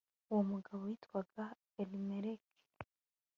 uwo mugabo yitwaga elimeleki